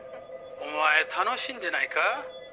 「お前楽しんでないか？」